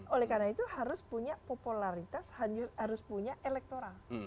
oleh karena itu harus punya popularitas harus punya elektoral